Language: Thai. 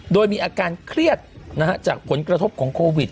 โดยมีอาการเครียดจากผลกระทบของโควิด